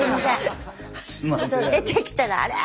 出てきたらあれ？